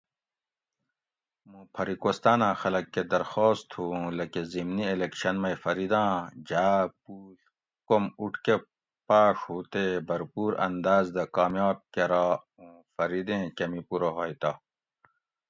مُوں پھری کوستاۤناۤں خلک کہ درخواست تھُو اُوں لکہ ضِمنی الیکشن مئ فریداۤں جاۤ پوڷ کوم اُوٹ کہۤ پاۤڛ ہُو تے بھرپور انداۤز دہ کامیاب کراۤ اُوں فریدیں کمئ پورہ ہوئ تہ